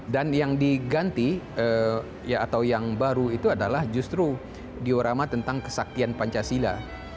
dan yang diganti atau yang baru itu adalah justru diorama tentang kesaktian pancasila